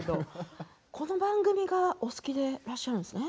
この番組がお好きでいらっしゃるんですね。